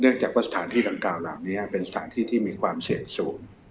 เนื่องจากสถานที่ดังกล่าวเป็นสถานที่ที่มีความเสชู